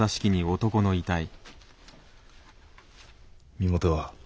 身元は？